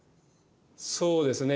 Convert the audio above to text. そうですね。